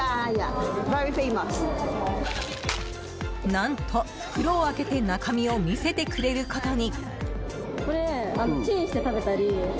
何と、袋を開けて中身を見せてくれることに。